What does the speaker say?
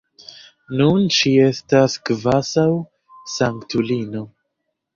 Nun ŝi estas kvazaŭ sanktulino.